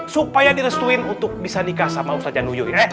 supaya direstuin untuk bisa nikah sama ustadz januyo ya